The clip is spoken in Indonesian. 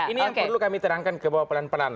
ini yang perlu kami terangkan ke bawah pelan pelan